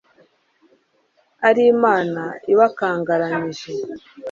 ari imana ibakangaranyije